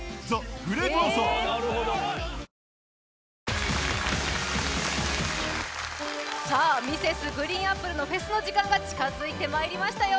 ういさあＭｒｓ．ＧＲＥＥＮＡＰＰＬＥのフェスの時間が近づいてまいりましたよ